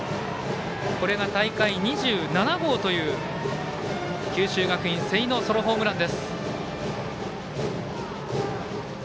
これが大会２７号という九州学院、瀬井のソロホームラン。